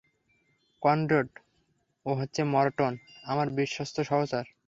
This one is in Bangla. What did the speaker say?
কনরেড, ও হচ্ছে মরটন, আমার বিশ্বস্ত সহচর।